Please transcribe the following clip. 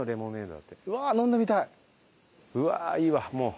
うわいいわもう。